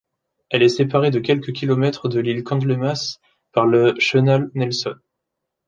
Elle est séparée de quelques kilomètres de l'île Candlemas par le chenal Nelson.